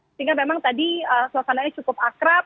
sehingga memang tadi suasananya cukup akrab